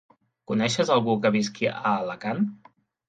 Coneixes algú que visqui a Alacant?